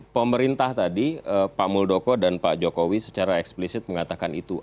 pemerintah tadi pak muldoko dan pak jokowi secara eksplisit mengatakan itu